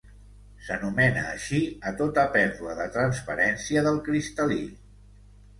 S'anomena així a tota pèrdua de transparència del cristal·lí.